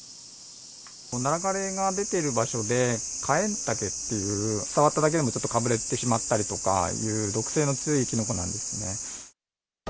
ナラ枯れが出ている場所で、カエンタケっていう、触っただけでもちょっとかぶれてしまったりとかいう、毒性の強いキノコなんですよね。